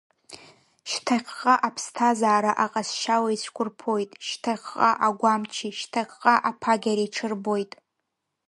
Шьҭахьҟа аԥсҭазаара аҟазшьала ицәқәырԥоит, шьҭахьҟа агәамчи, шьҭахьҟа аԥагьареи ҽырбоит…